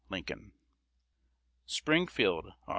Lincoln. Springfield, Aug.